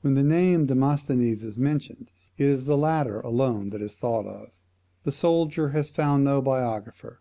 When the name of Demosthenes is mentioned, it is the latter alone that is thought of. The soldier has found no biographer.